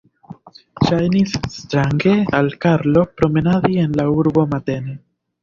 Ŝajnis strange al Karlo promenadi en la urbo matene.